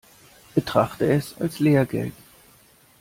Betrachte es als Lehrgeld.